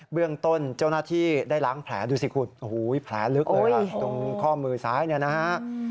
เรื่องต้นเจ้าหน้าที่ได้ล้างแผลดูสิคุณโอ้โหแผลลึกเลยล่ะตรงข้อมือซ้ายเนี่ยนะฮะ